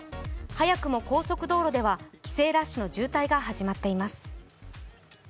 早くも高速道路では帰省ラッシュの渋滞が始まっています。